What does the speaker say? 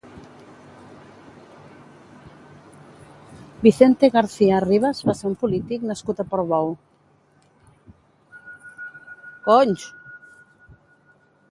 Vicente García Ribes va ser un polític nascut a Portbou.